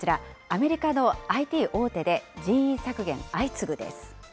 アメリカのＩＴ大手で人員削減相次ぐです。